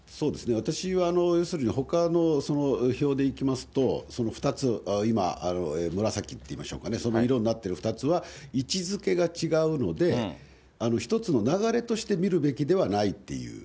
私は要するにほかの表でいきますと、２つ、今、紫っていいましょうかね、その色になってる２つは、位置づけが違うので、１つの流れとして見るべきではないっていう。